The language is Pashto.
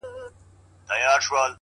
چي د مخ لمر يې تياره سي نيمه خوا سي،